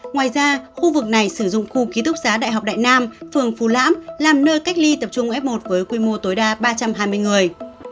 ngoài ra khu vực này sử dụng khu ký túc xá đại học đại nam phường phú lãm làm nơi cách ly tập trung f một với quy mô tối đa ba trăm hai mươi người